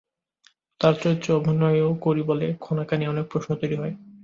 তাঁর চরিত্রে অভিনয়ও করি বলে, খনাকে নিয়ে অনেক প্রশ্ন তৈরি হয়।